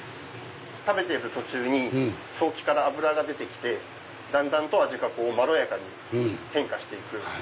食べてる途中にソーキから脂が出て来てだんだんと味がまろやかに変化して行く。